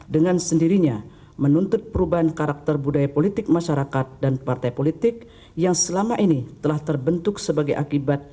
dengan sendirinya menuntut perubahan karakter budaya politik masyarakat dan partai politik yang selama ini telah terbentuk sebagai akibat